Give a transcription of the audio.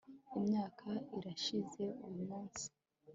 Imyaka irashize uyumunsi